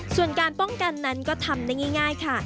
ส่วนการป้องกันนั้นก็ทำได้ง่ายค่ะ